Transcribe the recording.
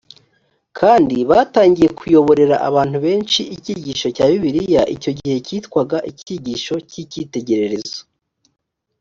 kandi batangiye kuyoborera abantu benshi icyigisho cya bibiliya icyo gihe cyitwaga icyigisho cy icyitegererezo